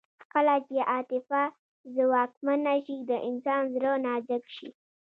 کله چې عاطفه ځواکمنه شي د انسان زړه نازک شي